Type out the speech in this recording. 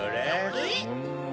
えっ？